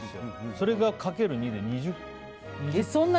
それが、かける２で。